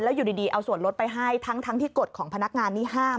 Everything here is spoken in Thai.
อยู่ดีเอาส่วนรถไปให้ทั้งที่กฎของพนักงานนี้ห้าม